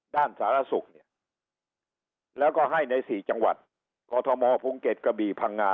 ด้านสารสุขแล้วก็ให้ใน๔จังหวัดกอทมพรุงเก็ตกะบี่พังงา